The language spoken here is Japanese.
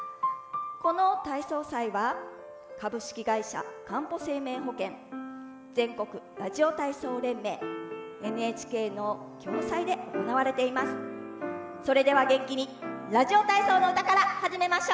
この体操祭は株式会社かんぽ生命保険全国ラジオ体操連盟ＮＨＫの共催で行われています。